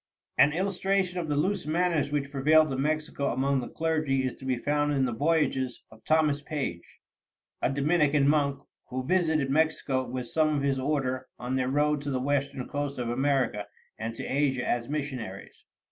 An illustration of the loose manners which prevailed in Mexico among the clergy is to be found in the voyages of Thomas Page, a Dominican monk, who visited Mexico with some of his order on their road to the western coast of America and to Asia as missionaries.